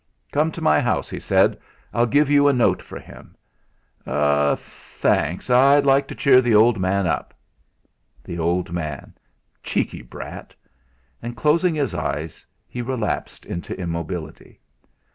"Come to my house," he said; "I'll give you a note for him." "Tha anks; I'd like to cheer the old man up." The old man! Cheeky brat! And closing his eyes he relapsed into immobility.